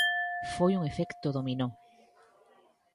Foi un efecto dominó.